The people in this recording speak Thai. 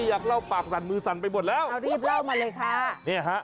อยากเล่าปากสั่นมือสั่นไปหมดแล้วรีบเล่ามาเลยค่ะเนี่ยฮะ